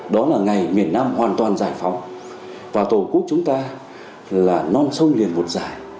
đó là ngày miền nam hoàn toàn giải phóng và tổ quốc chúng ta là non sông liền một dài